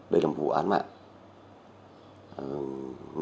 đây là một vụ án mạng